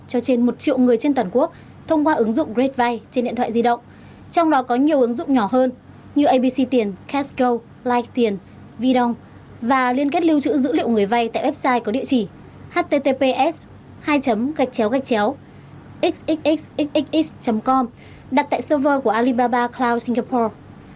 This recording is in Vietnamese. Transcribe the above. cho trên một triệu người trên toàn quốc thông qua ứng dụng greatvay trên điện thoại di động trong đó có nhiều ứng dụng nhỏ hơn như abc tiền casco like tiền vdong và liên kết lưu trữ dữ liệu người vay tại website có địa chỉ https hai xxxx com đặt tại server của alibaba cloud singapore